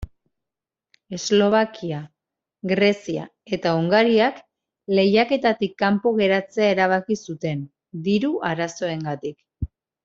Eslovakia, Grezia eta Hungariak lehiaketatik kanpo geratzea erabaki zuten, diru-arazoengatik.